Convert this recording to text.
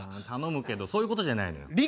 頼むけどそういうことじゃないのよ。